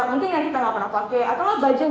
mungkin yang kita nggak pernah pakai atau baju yang